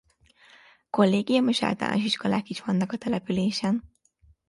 Kollégium és általános iskolák is vannak a településen.